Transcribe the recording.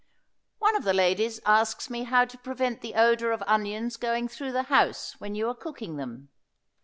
One of the ladies asks me how to prevent the odor of onions going through the house when you are cooking them.